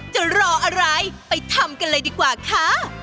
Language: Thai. จะรออะไรไปทำกันเลยดีกว่าค่ะ